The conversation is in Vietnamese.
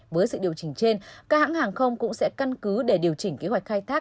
với sự điều chỉnh trên các hãng hàng không cũng sẽ căn cứ để điều chỉnh kế hoạch khai thác